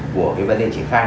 của cái vấn đề trị phai